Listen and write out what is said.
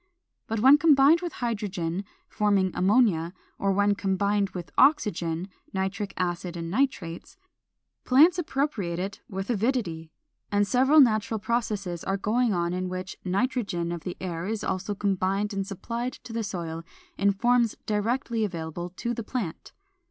But when combined with hydrogen (forming ammonia), or when combined with oxygen (nitric acid and nitrates) plants appropriate it with avidity. And several natural processes are going on in which nitrogen of the air is so combined and supplied to the soil in forms directly available to the plant.